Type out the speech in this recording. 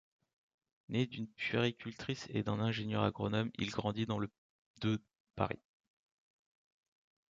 Né d'une puéricultrice et d'un ingénieur agronome, il grandit dans le de Paris.